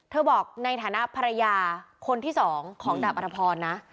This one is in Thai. บอกในฐานะภรรยาคนที่สองของดาบอธพรนะ